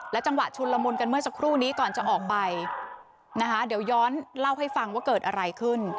จังหวะชุนละมุนกันเมื่อสักครู่นี้ก่อนจะออกไปนะคะเดี๋ยวย้อนเล่าให้ฟังว่าเกิดอะไรขึ้น